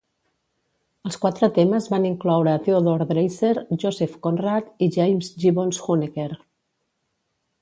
Els quatre temes van incloure Theodore Dreiser, Joseph Conrad i James Gibbons Huneker.